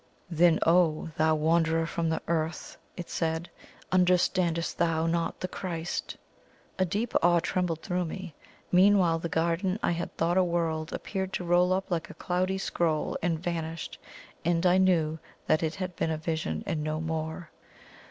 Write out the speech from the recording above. "Then, oh thou wanderer from the Earth!" it said, "understandest thou not the Christ?" A deep awe trembled through me. Meanwhile the garden I had thought a world appeared to roll up like a cloudy scroll, and vanished, and I knew that it had been a vision, and no more.